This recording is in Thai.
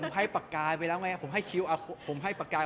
ผมให้ปากกายไปแล้วไงผมให้คิวผมให้ปากกาย